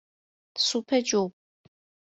سوپ جو